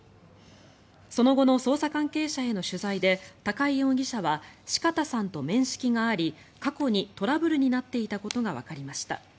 その後の捜査関係者への取材で高井容疑者は四方さんと面識があり、過去にトラブルになっていたことがわかりました。